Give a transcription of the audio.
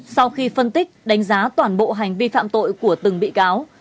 sau khi phân tích đánh giá toàn bộ hành vi phạm tội của từng bị cáo